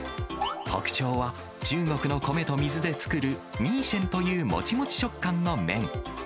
特徴は中国の米と水で作る、ミーシェンというもちもち食感の麺。